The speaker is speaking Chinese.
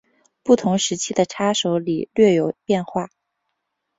不同时期的叉手礼略有变化。